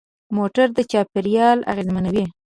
موټر د چاپېریال اغېزمنوي.